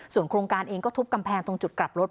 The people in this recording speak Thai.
ส่วนโครงการเองก็ทุบกำแพงตรงจุดกลับรถ